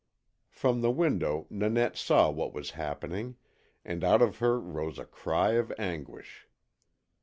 From the window Nanette saw what was happening, and out of her rose a cry of anguish.